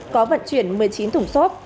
có vận chuyển một mươi chín thủng xốp